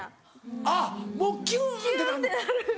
あっもうキュンってなんの。